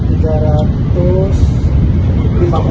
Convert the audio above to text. ini yang kedua